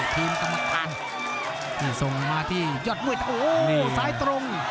กรรมการนี่ส่งมาที่ยอดมวยโอ้โหซ้ายตรง